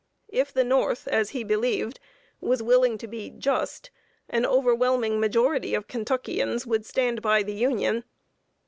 If the North, as he believed, was willing to be just, an overwhelming majority of Kentuckians would stand by the Union.